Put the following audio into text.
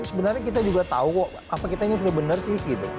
sebenarnya kita juga tahu kok apa kita ini sudah benar sih